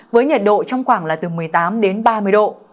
với nhiệt độ trong khoảng là từ một mươi tám đến ba mươi độ